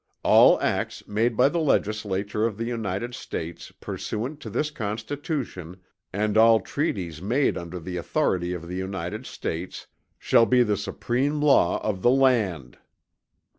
"All acts made by the legislature of the United States pursuant to this Constitution, and all treaties made under the authority of the United States shall be the supreme law of the land."